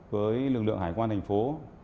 với lực lượng hải quan thành phố